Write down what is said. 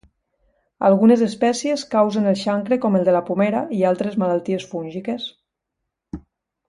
Algunes espècies causen el xancre com el de la pomera i altres malalties fúngiques.